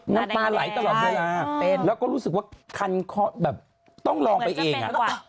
นอกจากเกินมากมึ้นั่นแหละพี่แจ้ง